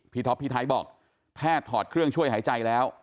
ท็อปพี่ไทยบอกแพทย์ถอดเครื่องช่วยหายใจแล้ว